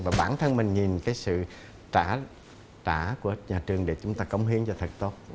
và bản thân mình nhìn cái sự trả của nhà trường để chúng ta cống hiến cho thật tốt